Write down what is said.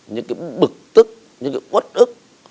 những cái bực tức những cái quất ức